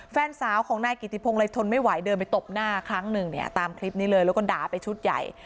แฟนสาวของนายกิติพงศ์เลยทนไม่ไหวเดินไปตบหน้าครั้งหนึ่งเนี่ยตามคลิปนี้เลยแล้วก็ด่าไปชุดใหญ่